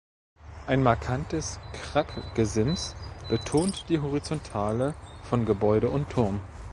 Ein markantes Kraggesims betont die Horizontale von Gebäude und Turm.